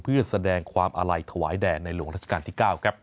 เพื่อแสดงความอาลัยถวายแด่ในหลวงราชการที่๙ครับ